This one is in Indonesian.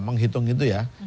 menghitung itu ya